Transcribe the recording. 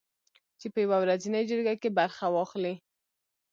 چې په یوه ورځنۍ جرګه کې برخه واخلي